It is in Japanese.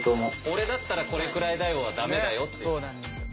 「俺だったらこれくらいだよ」は駄目だよって。